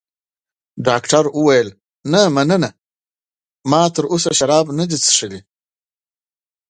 ډاکټر وویل: نه، مننه، ما تراوسه شراب نه دي څښلي.